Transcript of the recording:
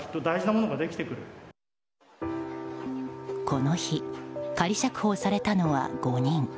この日、仮釈放されたのは５人。